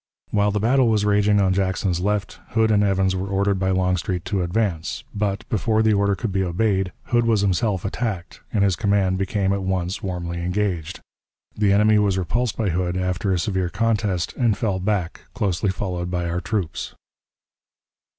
While the battle was raging on Jackson's left, Hood and Evans were ordered by Longstreet to advance, but, before the order could be obeyed, Hood was himself attacked, and his command became at once warmly engaged. The enemy was repulsed by Hood after a severe contest, and fell back, closely followed by our troops.